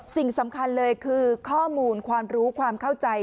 สิ่งสำคัญเลยคือข้อมูลความรู้ความเข้าใจ